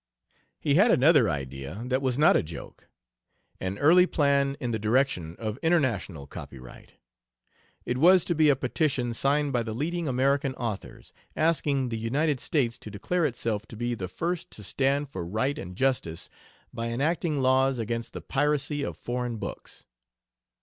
He had another idea, that was not a joke: an early plan in the direction of international copyright. It was to be a petition signed by the leading American authors, asking the United States to declare itself to be the first to stand for right and justice by enacting laws against the piracy of foreign books.